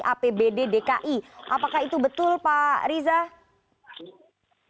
apakah itu betul pak riza